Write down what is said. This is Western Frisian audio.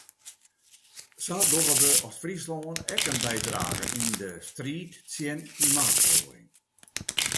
Sa dogge we as Fryslân ek in bydrage yn de striid tsjin klimaatferoaring.